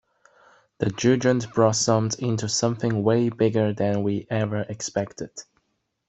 The Jugend blossomed into something way bigger than we ever expected.